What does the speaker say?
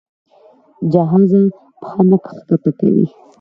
جهازه پښه نه ښکته کوي.